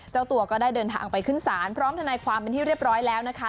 เจ้าตัวก็ได้เดินทางไปขึ้นศาลพร้อมทนายความเป็นที่เรียบร้อยแล้วนะคะ